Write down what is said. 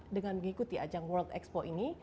dengan mengikuti ajang world expo ini